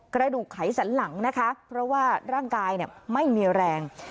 กระดูกไขสันหลังนะคะเพราะว่าร่างกายไม่มีแรง